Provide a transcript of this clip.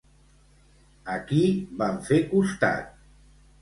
A qui van fer costat?